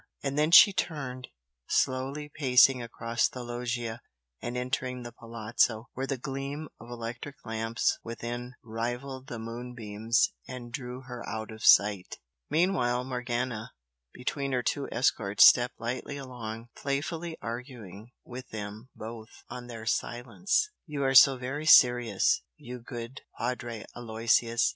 And then she turned, slowly pacing across the loggia and entering the Palazzo, where the gleam of electric lamps within rivalled the moonbeams and drew her out of sight. Meanwhile, Morgana, between her two escorts stepped lightly along, playfully arguing with them both on their silence. "You are so very serious, you good Padre Aloysius!"